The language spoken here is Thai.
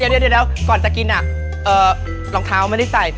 เดี๋ยวก่อนจะกินรองเท้าไม่ได้ใส่